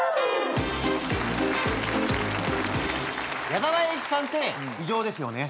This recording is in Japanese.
矢沢永吉さんって異常ですよね。